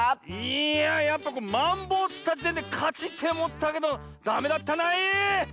いややっぱマンボウつったじてんでかちっておもったけどダメだったない！